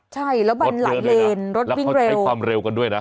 ใช่แล้วมันหลายเลนรถวิ่งเร็วใช้ความเร็วกันด้วยนะ